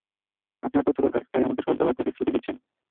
আপনার তথ্য দরকার, তাই আমাকে সব দেওয়ার প্রতিশ্রুতি দিচ্ছেন।